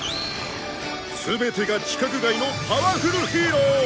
全てが規格外のパワフルヒーロー！